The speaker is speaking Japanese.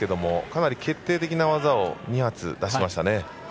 かなり決定的な技を２発出しました。